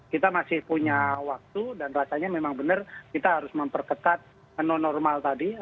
kita masih punya waktu dan rasanya memang benar kita harus memperketat non normal tadi